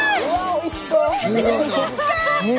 おいしそう！